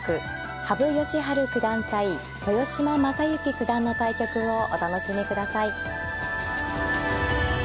羽生善治九段対豊島将之九段の対局をお楽しみください。